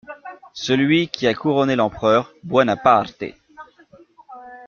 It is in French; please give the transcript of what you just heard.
Celui qui a couronné l'emp … Buonaparte.